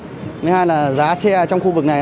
thứ hai là giá xe trong khu vực này